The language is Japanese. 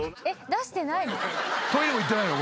出してないの？